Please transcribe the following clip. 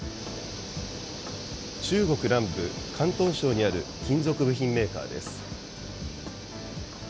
中国南部、広東省にある金属部品メーカーです。